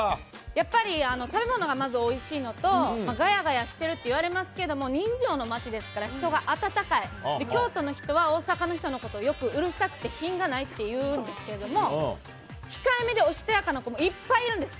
やっぱり食べ物がまずおいしいのと、がやがやしてるって言われますけれども、人情の街ですから、人が温かい、京都の人は大阪の人のことをよくうるさくて、品がないって言うんですけれども、控えめでおしとやかな子もいっぱいいるんです。